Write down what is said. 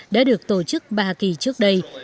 đã được tổ chức ba kỳ trước đây